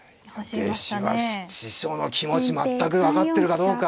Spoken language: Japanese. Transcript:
弟子は師匠の気持ち全く分かってるかどうか。